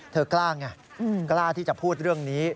เธอกล้าไงกล้าที่จะพูดเรื่องนี้